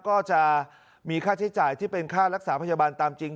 ก็จะมีค่าใช้จ่ายที่เป็นค่ารักษาพยาบาลตามจริง